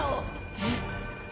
えっ？